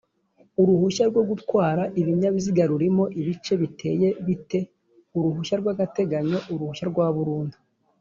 uruhushya rwo gutwara Ibinyabiziga rurimo ibice biteye bite? uruhushya rwagateganyo, uruhushya rwaburundu